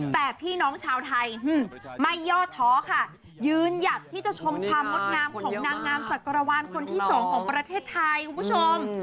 แต่พี่น้องชาวไทยไม่ย่อท้อค่ะยืนหยัดที่จะชมความงดงามของนางงามจักรวาลคนที่สองของประเทศไทยคุณผู้ชม